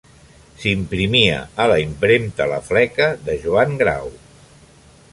S'imprimia a la Impremta La Fleca, de Joan Grau.